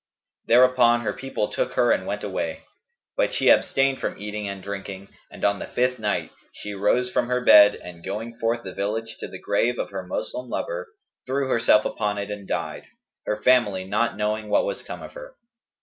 Thereupon her people took her and went away; but she abstained from eating and drinking and on the fifth night she rose from her bed, and going forth the village to the grave of her Moslem lover threw herself upon it and died, her family not knowing what was come of her.